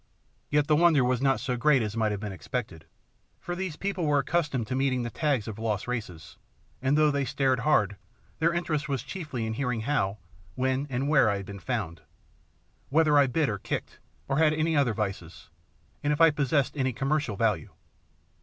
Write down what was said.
Yet the wonder was not so great as might have been expected, for these people were accustomed to meeting the tags of lost races, and though they stared hard, their interest was chiefly in hearing how, when, and where I had been found, whether I bit or kicked, or had any other vices, and if I possessed any commercial value.